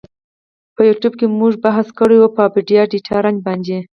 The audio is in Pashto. په یوټیو کی مونږ بحث کړی وه په آپډا ډیټا رنج باندی.